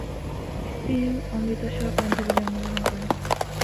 সিং অমৃতসর, পাঞ্জাবে জন্মগ্রহণ করেন।